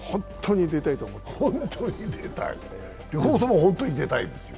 両方ともホントに出たいですよ。